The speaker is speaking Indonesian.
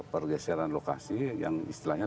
pergeseran lokasi yang istilahnya